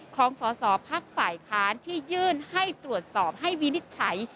ของสอสอพักฝ่ายค้านที่ยื่นให้ตรวจสอบให้วินิจฉัย